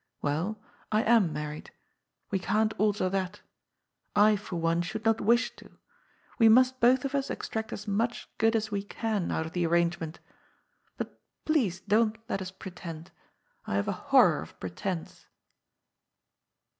Well, I am married. We can't alter that. I, for one, shonld not wish to. We must both of us extract as much good as we can out of the arrangement. But please don't let us pretend. I haye a horror of pretence."